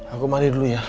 aku mandi dulu ya